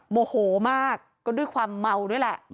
โมโหมากก็ด้วยความเมาด้วยแหละ